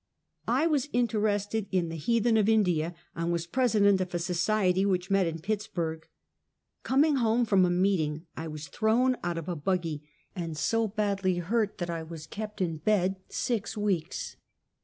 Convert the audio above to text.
I was interested in the heathen of India, and was president of a society which met in Pittsburg. Com ing home from a meeting, I was thrown out of a bug gy and so badly hurt that I was kept in bed six weeks.